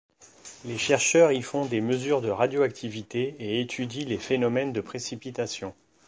Les chercheurs y font des mesures de radioactivité, et étudient les phénomènes de précipitations.